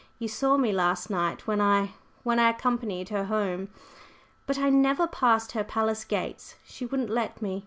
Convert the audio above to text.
You saw me last night when I when I accompanied her home. But I never passed her palace gates, she wouldn't let me.